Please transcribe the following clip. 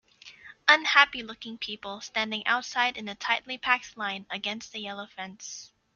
Unhappylooking people standing outside in a tightlypacked line against a yellow fence.